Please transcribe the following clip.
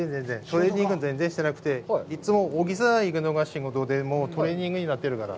トレーニングは全然してなくて、いっつも沖さ行くのが仕事で、トレーニングになってるから。